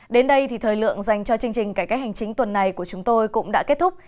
đến đây thì thời lượng dành cho chương trình cải cách hành chính tuần này của chúng tôi cũng đã kết thúc